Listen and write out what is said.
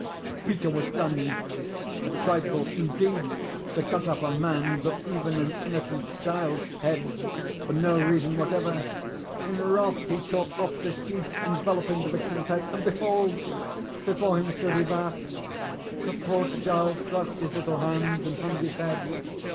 Peter was stunned. A trifle, indeed, to cut off a man's, or even an innocent child's, head for no reason whatever! In wrath he tore off the sheet enveloping the victim's head, and behold! before him stood Ivas. The poor child crossed his little hands, and hung his head.